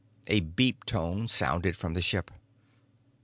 A beep tone sounded from the ship.